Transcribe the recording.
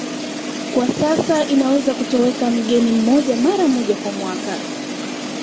Kwa sasa inaweza kutoweka mgeni mmoja mara moja kwa mwaka